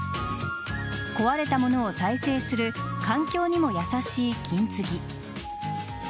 壊れたものを再生する環境にも優しい金継ぎ。